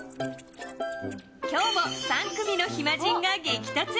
今日も３組の暇人が激突！